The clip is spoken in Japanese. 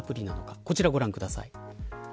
こちら、ご覧ください。